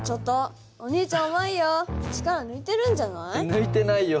抜いてないよ。